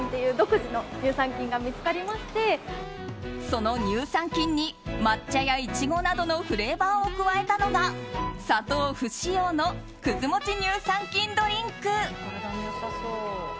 その乳酸菌に抹茶やイチゴなどのフレーバーを加えたのが、砂糖不使用のくず餅乳酸菌ドリンク。